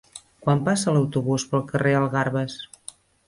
Quan passa l'autobús pel carrer Algarves?